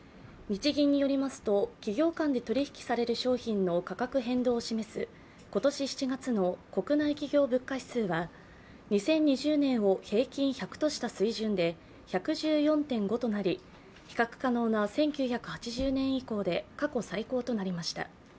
日銀によりますと、企業間で取り引きれされる商品の価格変動を示す今年７月の国内企業物価指数は、２０２０年を平均１００とした水準で１１４．５となり、比較可能な１９８０年以降で過去最高となりました。